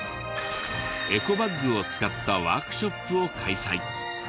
エコバッグを使ったワークショップを開催。